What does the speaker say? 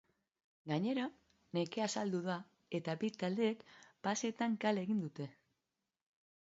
Gainera, nekea azaldu da eta bi taldeek paseetan kale egin dute.